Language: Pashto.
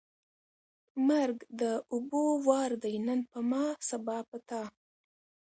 مرګ د اوبو وار دی نن په ما ، سبا په تا.